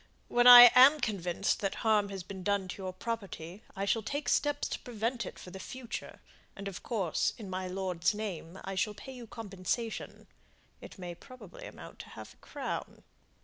When I am convinced that harm has been done to your property, I shall take steps to prevent it for the future, and of course, in my lord's name, I shall pay you compensation it may probably amount to half a crown."